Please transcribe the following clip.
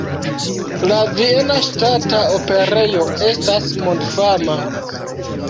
La Viena Ŝtata Operejo estas mondfama.